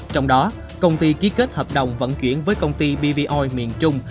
trong đó công ty ký kết hợp đồng vận chuyển với công ty bvoi miền trung